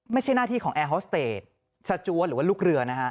ไม่ใช่หน้าที่ของแอร์ฮอสเตจสจัวหรือว่าลูกเรือนะฮะ